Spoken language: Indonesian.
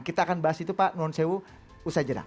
kita akan bahas itu pak nurn sewu usajana